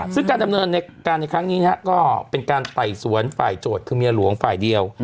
ซึ่งการดำเนินการในครั้งนี้ก็เป็นการไต่สวนฝ่ายโจทย์คือเมียหลวงฝ่ายเดียว